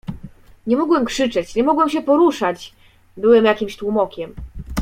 "Nie mogłem krzyczeć, nie mogłem się poruszać... byłem jakimś tłumokiem."